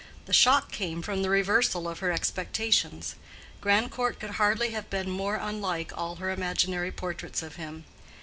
The shock came from the reversal of her expectations: Grandcourt could hardly have been more unlike all her imaginary portraits of him.